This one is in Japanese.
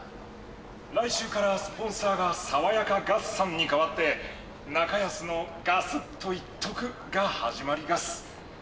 来週からスポンサーがさわやかガスさんにかわって「ナカヤスのガスッといっとく⁉」が始まりガス。